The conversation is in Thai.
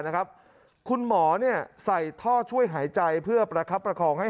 นะครับคุณหมอเนี่ยใส่ท่อช่วยหายใจเพื่อประคับประคองให้